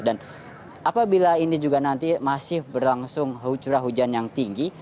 dan apabila ini juga nanti masih berlangsung curah hujan yang tinggi